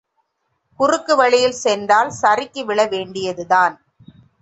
குறுக்கு வழியில் சென்றால் சறுக்கி விழ வேண்டியதுதான்.